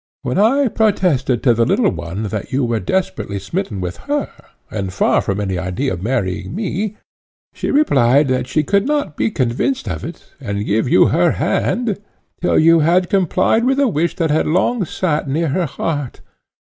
When I protested to the little one that you were desperately smitten with her, and far from any idea of marrying me, she replied, that she could not be convinced of it and give you her hand till you had complied with a wish that had long sate near her heart.